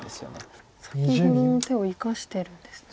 先ほどの手を生かしてるんですね。